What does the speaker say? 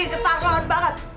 ini keterlaluan banget